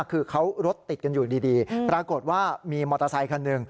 คือเขารถติดกันอยู่ดีปรากฏว่ามีมอเตอร์ไซคันหนึ่ง